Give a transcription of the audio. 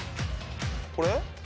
これ？